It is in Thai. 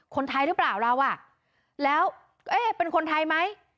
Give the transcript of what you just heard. คนไทยหรือเปล่าเราอ่ะแล้วเอ๊ะเป็นคนไทยไหม